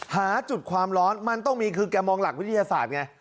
หาจุดความร้อนมันต้องมีคือแกมองหลักวิทยาศาสตร์ไง